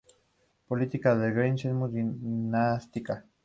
La política de Grecia es muy dinástica.